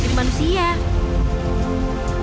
kau tidak twas xiang yang buddhism